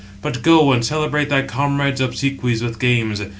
But go, and celebrate thy comrade's obsequies with games.